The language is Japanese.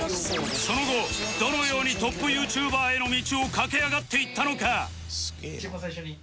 その後どのようにトップ ＹｏｕＴｕｂｅｒ への道を駆け上がっていったのか？